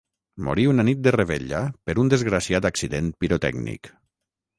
Morí una nit de revetlla per un desgraciat accident pirotècnic.